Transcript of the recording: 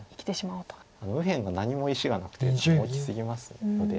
右辺が何も石がなくて大きすぎますので。